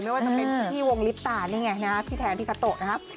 ไม่ว่าจะเป็นพี่วงลิปตานี่ไงนะฮะพี่แทนพี่คาโตะนะครับ